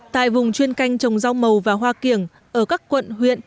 tại vùng chuyên canh trồng rau màu và hoa kiểng ở các quận huyện